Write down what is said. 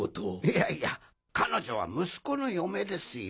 いやいや彼女は息子の嫁ですよ。